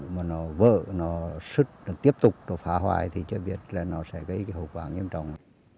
mà nó vỡ nó sứt nó tiếp tục nó phá hoại thì chắc chắn là nó sẽ gây hậu quả nghiêm trọng